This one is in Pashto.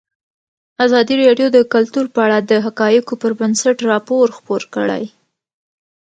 ازادي راډیو د کلتور په اړه د حقایقو پر بنسټ راپور خپور کړی.